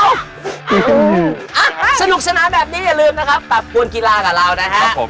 เรื่องสนุกสนันอย่าลืมนะครับปรับกวนกีฬากับเรานะครับ